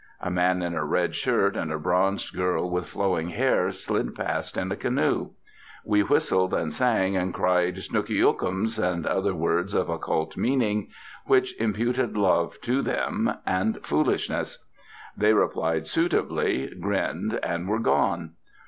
A man in a red shirt and a bronzed girl with flowing hair slid past in a canoe. We whistled, sang, and cried 'Snooky ookums!' and other words of occult meaning, which imputed love to them, and foolishness. They replied suitably, grinned, and were gone.